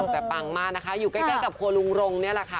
แต่ปังมากนะคะอยู่ใกล้กับครัวลุงรงนี่แหละค่ะ